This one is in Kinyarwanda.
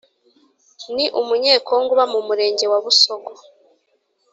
Ni Umunyekongo uba mu Murenge wa Busogo